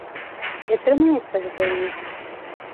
Ці атрымаецца гэта ў іх?